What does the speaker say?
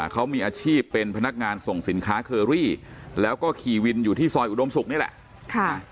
เขามีอาชีพเป็นพนักงานส่งสินค้าเคอรี่แล้วก็ขี่วินอยู่ที่ซอยอุดมศุกร์นี่แหละ